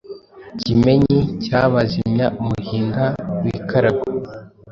Kimenyi.cyabazimya umuhinda wikaragwe